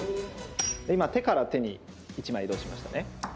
今手から手に１枚移動しましたね。